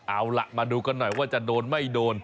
เอาล่ะมาดูกันหน่อยว่าจะโดนไม่โดน